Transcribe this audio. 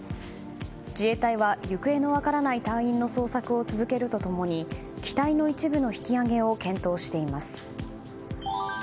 自衛隊は行方が分からない隊員の捜索を続けるとともに機体の一部の引き揚げを検討しています。